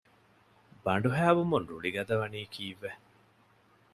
ބަނޑުހައި ވުމުން ރުޅި ގަދަވަނީ ކީއްވެ؟